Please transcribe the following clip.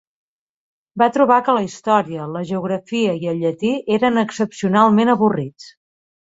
Va trobar que la història, la geografia i el llatí eren excepcionalment avorrits.